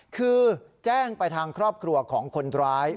คือแจ้งไปทางครอบครัวของคนร้าย